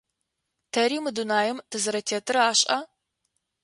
Тэри мы дунаим тызэрэтетыр ашӏа?